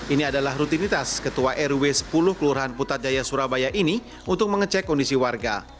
ini adalah rutinitas ketua rw sepuluh kelurahan putrajaya surabaya ini untuk mengecek kondisi warga